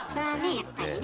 やっぱりね。